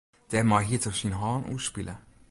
Dêrmei hied er syn hân oerspile.